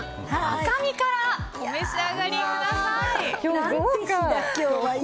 赤身からお召し上がりください。